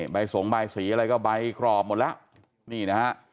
ใบสงใบสีอะไรก็ใบกรอบหมดแล้ว